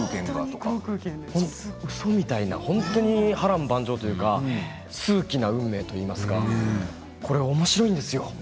うそみたいな、本当に波乱万丈というか数奇な運命といいますかこれ、おもしろいんですよ。